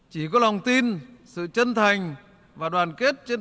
chỉ có lòng tin sự chân thành và đoàn kết trên